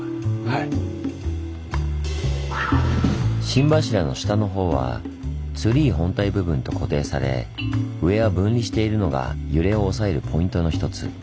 心柱の下のほうはツリー本体部分と固定され上は分離しているのが揺れを抑えるポイントの一つ。